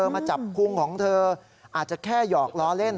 มาจับพุงของเธออาจจะแค่หยอกล้อเล่น